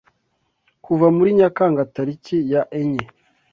kuva muri Nyakanga tariki ya enye